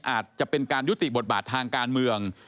อาจจะเป็นการยุติบทบาททางการเมือง